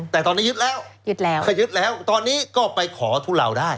แต่ตอนนี้ยึดแล้วยึดแล้วถ้ายึดแล้วตอนนี้ก็ไปขอทุเลาได้